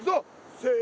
せの。